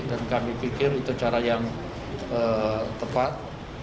dan kami pikir itu cara yang tepat